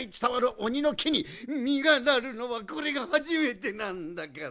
おにのきにみがなるのはこれがはじめてなんだから！